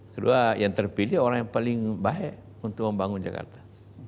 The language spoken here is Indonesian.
kedua yang terpilih orang yang paling baik untuk membangun jakarta